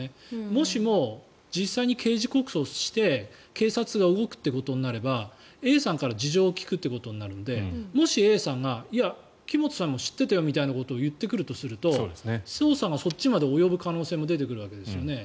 もしも、実際に刑事告訴をして警察が動くということになればＡさんから事情を聴くということになるのでもし、Ａさんが木本さんも知っていたよみたいなことを言ってくるとすると捜査がそっちまで及ぶ可能性が出てくるわけですよね。